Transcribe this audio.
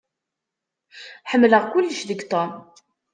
Ḥemmleɣ kullec deg Tom.